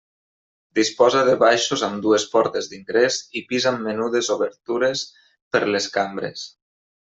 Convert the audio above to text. Disposa de baixos amb dues portes d'ingrés i pis amb menudes obertures per les cambres.